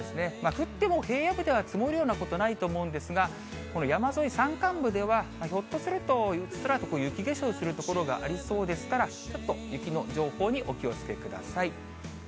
降っても平野部では積もるようなことはないと思うんですが、この山沿い、山間部では、ひょっとするとうっすらと雪化粧する所がありそうですから、ちょっと雪の情報にお気をつけください。